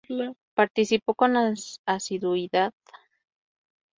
Participó con asiduidad en las exposiciones regionales y nacionales de Bellas Artes.